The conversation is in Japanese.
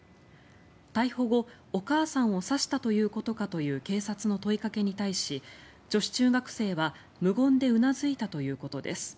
逮捕後、お母さんを刺したということかという警察の問いかけに対し女子中学生は無言でうなずいたということです。